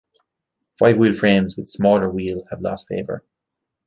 Five-wheel frames with smaller wheel have lost favor.